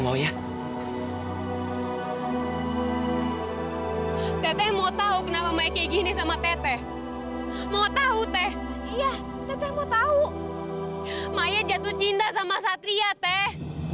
maya jatuh cinta sama satria teh